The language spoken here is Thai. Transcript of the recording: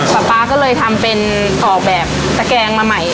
ป๊าก็เลยทำเป็นออกแบบตะแกงมาใหม่